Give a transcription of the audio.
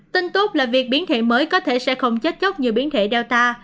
tin tốt là việc biến thể mới có thể sẽ không chết chóc như biến thể data